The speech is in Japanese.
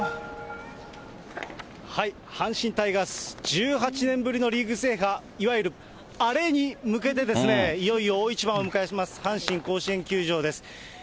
阪神タイガース１８年ぶりのリーグ制覇、いわゆるあれに向けて、いよいよ大一番を迎えています阪神甲子園球場です。